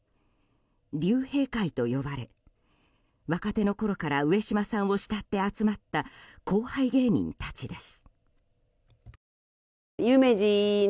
竜兵会と呼ばれ、若手のころから上島さんを慕って集まった後輩芸人たちです。